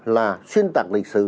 là xuyên tạc lịch sử